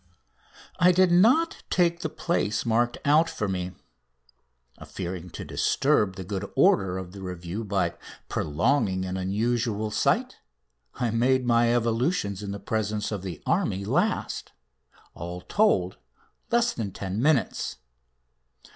I did not take the place marked out for me. Fearing to disturb the good order of the review by prolonging an unusual sight I made my evolutions in the presence of the army last, all told, less than ten minutes.